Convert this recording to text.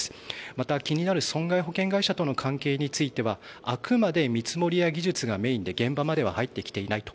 また、気になる損害保険会社との関係についてはあくまで見積もりや技術がメインで現場までは入ってきていないと。